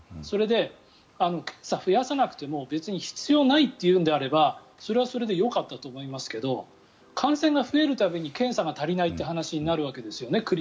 それで検査を増やさなくても別に必要ないのであればそれはそれでよかったと思いますけど感染が増える度に検査が足りないって話になるわけですよね。